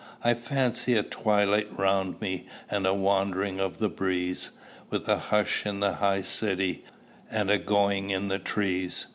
"I fancy a twilight round me, And a wandering of the breeze, With a hush in that high city, And a going in the trees.